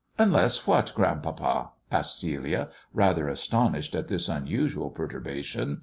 "Unless what, grandpapa?" asked Celia, rather as tonished at this unusual perturbation.